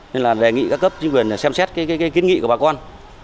nên là đề nghị các cấp chính quyền xem xét cái kiến nghị của bà con